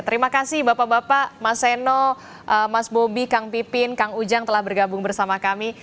terima kasih bapak bapak mas seno mas bobi kang pipin kang ujang telah bergabung bersama kami